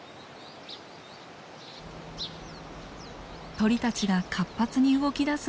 鳥たちが活発に動きだす